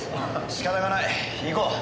仕方がない行こう。